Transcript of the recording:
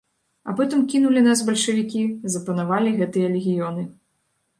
А потым кінулі нас бальшавікі, запанавалі гэтыя легіёны.